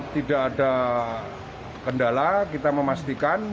tidak ada kendala kita memastikan